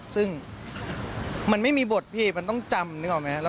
ซึ่งมันไม่มีบทพี่มันต้องจำนึกออกไหม